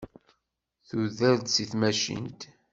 Tuder-d seg tmacint.